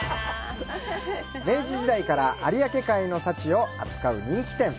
明治時代から有明海の幸を扱う人気店。